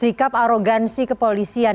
sikap arogansi kepolisian